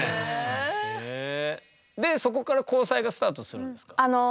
そこから交際がスタートするんですか？